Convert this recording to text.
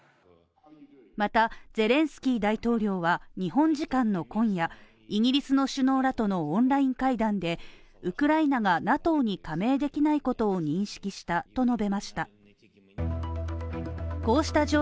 またゼレンスキー大統領は日本時間の今夜、イギリスの首脳らとのオンライン会談でウクライナがＮＡＴＯに加盟できないことを認識したと述べました。